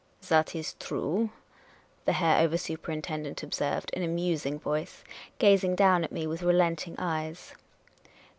" That is true," the Herr Over Superintendent observed, in a musing voice, gazing down at me with relenting eyes.